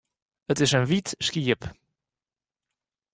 It is in wyt skiep.